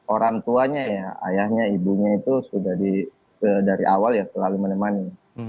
orang tuanya ya ayahnya ibunya itu sudah dari awal ya selalu menemani